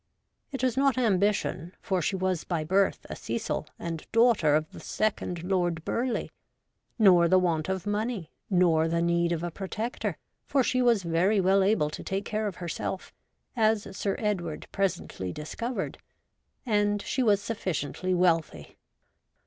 It was not ambition, for she was by birth a Cecil and daughter of the second Lord Burleigh ; nor the want of money, nor the need of a protector, for she was very well SOM.E OLD TIME TERMAGANTS. 63 able to take care of herself, as Sir Edward presently discovered, and she was sufificiently wealthy.